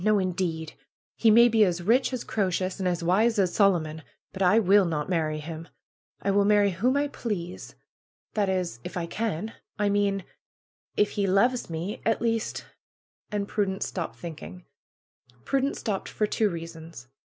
No, indeed! He may be as rich as Croesus and as wise as Solomon; but I will not marry him ! I will marry whom I please. That is, if I can ; I mean if he loves me ; at least " And Prudence stopped thinking. Prudence stopped for two reasons.